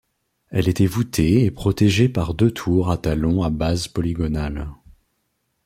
Elle était voûtée et protégée par deux tours à talon à base polygonale.